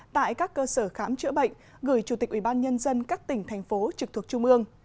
tại các cơ sở khám chữa bệnh gửi chủ tịch ubnd các tỉnh thành phố trực thuộc trung ương